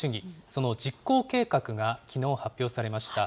その実行計画がきのう発表されました。